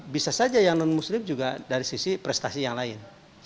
bisa saja yang non muslim juga dari sisi prestasi yang lain